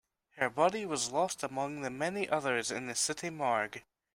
Her body was lost among the many others in the city morgue.